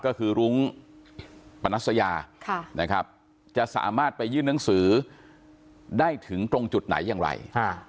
ก็คือรุ้งปนัสยานะครับจะสามารถไปยื่นหนังสือได้ถึงตรงจุดไหนอย่างไร